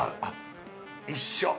一緒。